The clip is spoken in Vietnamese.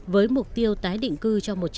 với mục tiêu tái định cư